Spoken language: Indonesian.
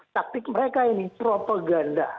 taktik mereka ini propaganda